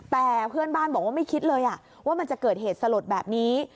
แต่เพื่อนบ้านบอกว่าไม่คิดเลยว่ามันจะเกิดเหตุสลดแบบนี้